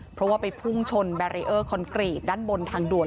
เพราะว่าไปพุ่งชนแบรีเออร์คอนกรีตด้านบนทางด่วน